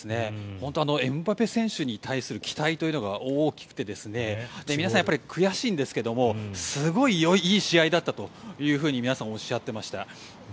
本当、エムバペ選手に対する期待というのが大きくて皆さん、悔しいんですけれどもすごいいい試合だったと皆さん、おっしゃっていました。